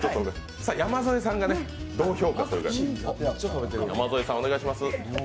山添さんがどう評価するか、山添さん、お願いします。